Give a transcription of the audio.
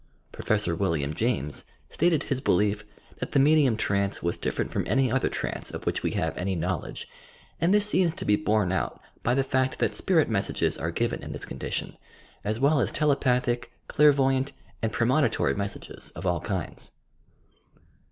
Prof. William James stated his belief that the medium trance was different from any other trance of which we have any knowledge, and this seems to be borne out by the fact that spirit messages are given in this condition, as well as telepathic, clairvoyant and premonitory messages of all kinds.